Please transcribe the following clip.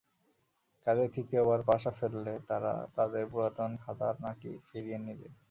কাজেই তৃতীয়বার পাশা ফেলে তারা তাদের পুরাতন খাঁদা নাকই ফিরিয়ে নিলে।